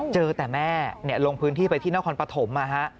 เจอแต่แม่ลงพื้นที่ไปที่นครปฐม